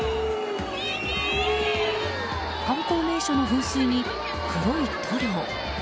観光名所の噴水に黒い塗料。